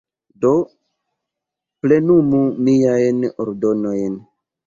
Do, plenumu miajn ordonojn.